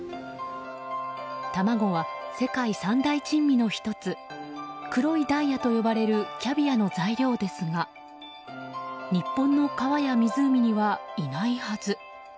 卵は、世界三大珍味１つ黒いダイヤと呼ばれるキャビアの材料ですが日本の川や湖にはいないはず。